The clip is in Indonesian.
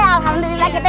jangan main lari lari ya